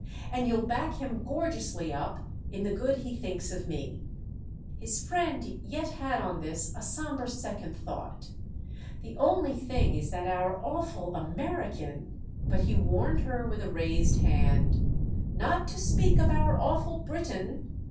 —and you'll back him gorgeously up in the good he thinks of me." His friend yet had on this a sombre second thought. "The only thing is that our awful American——!" But he warned her with a raised hand. "Not to speak of our awful Briton!"